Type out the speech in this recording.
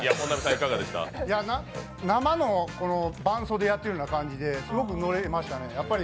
生の伴奏でやってるような感じで、すごくノレましたね。